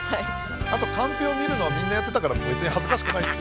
あとカンペを見るのはみんなやってたから別に恥ずかしくないって。